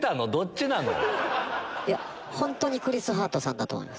本当にクリス・ハートさんだと思います。